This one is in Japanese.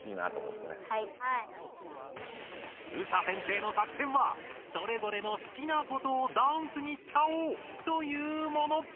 ＳＡ先生の作戦はそれぞれの好きなことをダンスにしちゃおうというもの。